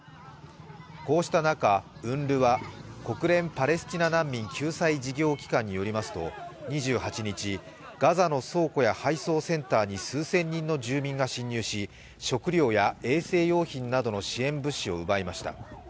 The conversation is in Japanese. こうした中、ＵＮＲＷＡ＝国連パレスチナ難民救済事業機関によりますと２８日、ガザの倉庫や配送センターに数千人の住人が侵入し食料や衛生用品などの支援物資を奪いました。